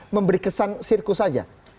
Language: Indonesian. memberi kesan sirkus saja